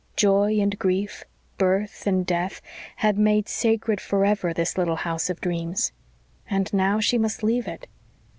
Joy and grief, birth and death, had made sacred forever this little house of dreams. And now she must leave it.